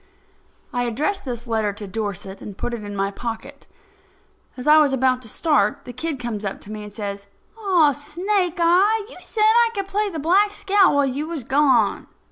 I addressed this letter to Dorset, and put it in my pocket. As I was about to start, the kid comes up to me and says: "Aw, Snake eye, you said I could play the Black Scout while you was gone."